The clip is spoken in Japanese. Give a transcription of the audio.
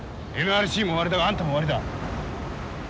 ＮＲＣも終わりだがあんたも終わりだ。